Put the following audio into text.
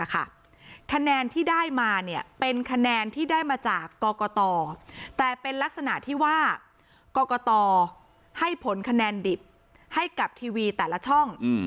คะแนนที่ได้มาเป็นคะแนนที่ได้มาจากกรกตแต่เป็นลักษณะที่ว่ากรกตให้ผลคะแนนดิบให้กับทีวีแต่ละช่อง